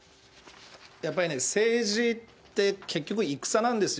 やっぱりね、政治って、結局、戦なんですよ。